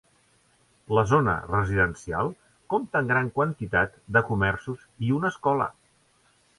La zona residencial compta amb gran quantitat de comerços i una escola.